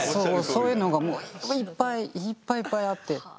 そういうのがもういっぱいいっぱいいっぱいあって。